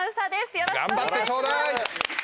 よろしくお願いします